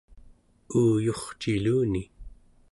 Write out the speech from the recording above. uuyurciluni